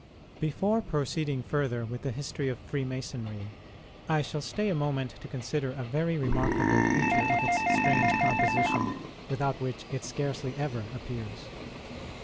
Before proceeding further with the history of Freemasonry, I shall stay a moment to consider a very remarkable feature in its strange composition, without which it scarcely ever appears.